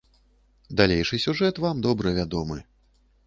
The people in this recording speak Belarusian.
Далейшы сюжэт вам добра вядомы.